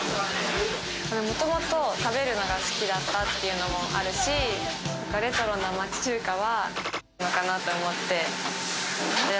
もともと食べるのが好きだったっていうのもあるし、レトロな町中華はのかなと思って。